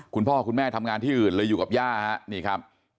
คุณพ่อคุณแม่ทำงานที่อื่นเลยอยู่กับญ้า